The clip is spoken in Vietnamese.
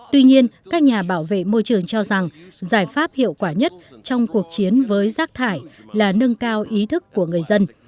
tuy nhiên các nhà bảo vệ môi trường cho rằng giải pháp hiệu quả nhất trong cuộc chiến với rác thải là nâng cao ý thức của người dân